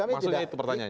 maksudnya itu pertanyaannya